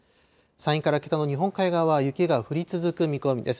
山陰から北の日本海側は雪が降り続く見込みです。